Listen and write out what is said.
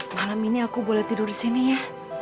malam ini aku boleh tidur disini ya